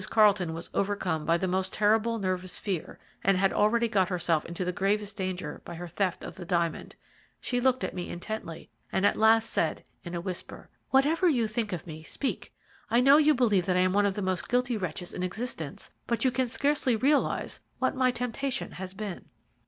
Carlton was overcome by the most terrible nervous fear, and had already got herself into the gravest danger by her theft of the diamond. She looked at me intently, and at last said, in a whisper: "Whatever you may think of me, speak. I know you believe that I am one of the most guilty wretches in existence, but you can scarcely realize what my temptation has been."